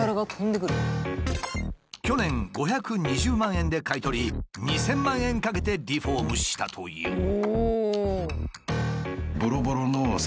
去年５２０万円で買い取り２，０００万円かけてリフォームしたという。